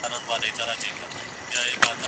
لاس د ساقي تش دی په محفل کي رندان څه کوي